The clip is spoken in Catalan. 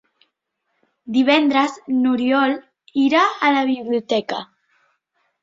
Divendres n'Oriol irà a la biblioteca.